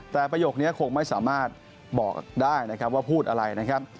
แต่ประโยคนี้คงไม่สามารถบอกได้นะครับว่าพูดอะไรนะครับ